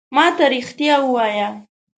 ما ته رېښتیا ووایه !